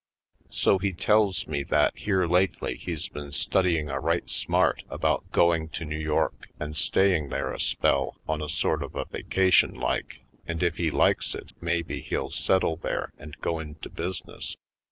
So he tells me that here lately he's been studying a right smart about going to New York and staying there a spell on a sort of a vacationlike, and if he likes it maybe he'll settle there and go into business.